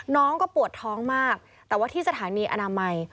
น้องก็ปวดท้องมากแต่ว่าที่สถานีอนามัย